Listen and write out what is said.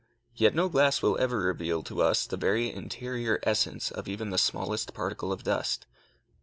Yet no glass will ever reveal to us the very interior essence of even the smallest particle of dust.